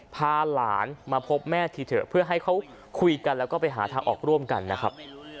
พาหลานมาพบแม่ทีเถอะเพื่อให้เขาคุยกันแล้วก็ไปหาทางออกร่วมกันนะครับ